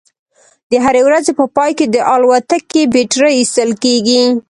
د هرې ورځې په پای کې د الوتکې بیټرۍ ایستل کیږي